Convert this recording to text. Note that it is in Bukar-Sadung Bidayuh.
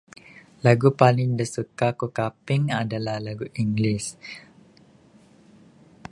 Lagu paling da ku suka kaping adalah lagu english.